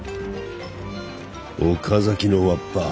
岡崎のわっぱ